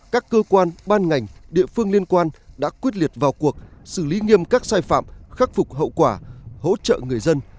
các cơ quan ban ngành địa phương liên quan đã quyết liệt vào cuộc xử lý nghiêm các sai phạm khắc phục hậu quả hỗ trợ người dân